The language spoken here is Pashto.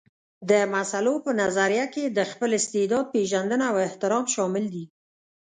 د مسلو په نظريه کې د خپل استعداد پېژندنه او احترام شامل دي.